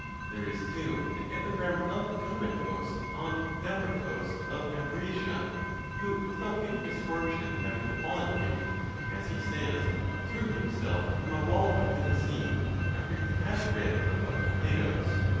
There is, too, an epigram of Callimachus' on Cleombrotus of Ambracia, who, without any misfortune having befall en him, as he says, threw himself from a wall into the sea, after he had read a book of Plato's.